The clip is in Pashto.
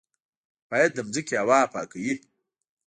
باد د ځمکې هوا پاکوي